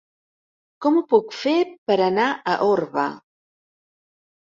Com ho puc fer per anar a Orba?